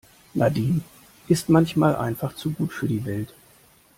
Nadine ist manchmal einfach zu gut für die Welt.